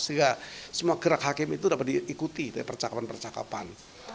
sehingga semua gerak hakim itu dapat diikuti dari percakapan percakapan